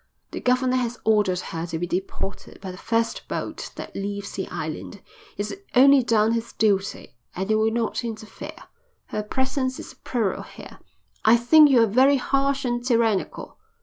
"The governor has ordered her to be deported by the first boat that leaves the island. He's only done his duty and I will not interfere. Her presence is a peril here." "I think you're very harsh and tyrannical."